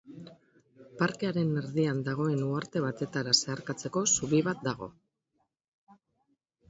Parkearen erdian dagoen uharte batetara zeharkatzeko zubi bat dago.